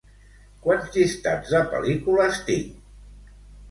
Quants llistats de pel·lícules tinc?